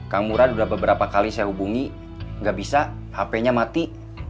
kang murad udah beberapa kali saya hubungi gak bisa hpnya mati